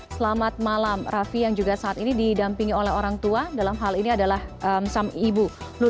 selamat malam raffi yang juga saat ini didampingi oleh orang tua dalam hal ini adalah sang ibu